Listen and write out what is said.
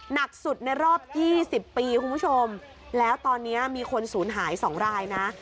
หนักสุดในรอบ๒๐ปีคุณผู้ชมแล้วตอนนี้มีคนศูนย์หาย๒รายนะ